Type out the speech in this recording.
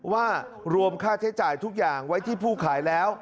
ว่ารวมค่าใช้จ่ายทุกอย่างไว้ที่ผู้ขายแล้ว